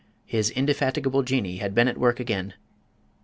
His indefatigable Jinnee had been at work again!